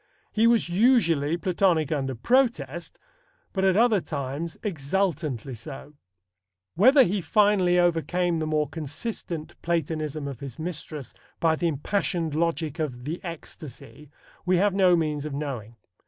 He was usually Platonic under protest, but at other times exultantly so. Whether he finally overcame the more consistent Platonism of his mistress by the impassioned logic of The Ecstasy we have no means of knowing.